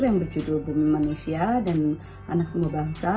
yang berjudul bumi manusia dan anak semua bangsa